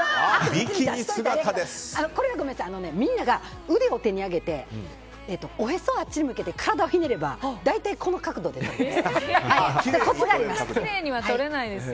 これはみんなが腕を手に上げておへそをあっちに向けて体をひねれば大体この角度で撮れます。